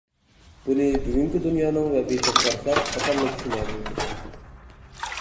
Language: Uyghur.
بۇنى بۈگۈنكى دۇنيانىڭ ۋەزىيىتىگە قارىساق ئاسانلا چۈشىنەلەيمىز.